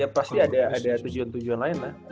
pasti ada tujuan tujuan lain lah